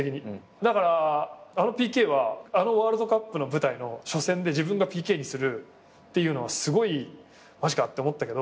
だからあのＰＫはあのワールドカップの舞台の初戦で自分がＰＫにするっていうのはマジかって思ったけど。